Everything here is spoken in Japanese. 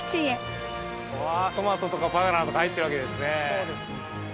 そうです。